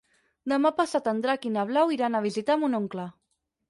Demà passat en Drac i na Blau iran a visitar mon oncle.